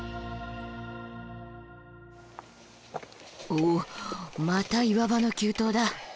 おまた岩場の急登だ。